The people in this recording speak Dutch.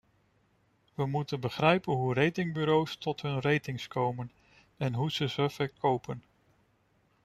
We moeten begrijpen hoe ratingbureaus tot hun ratings komen en hoe ze ze verkopen.